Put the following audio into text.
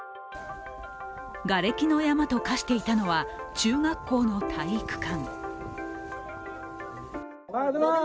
がれきの山と化していたのは中学校の体育館。